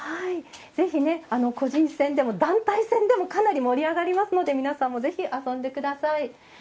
ぜひ個人戦でも団体戦でもかなり盛り上がりますので皆さんも、ぜひ遊んでください。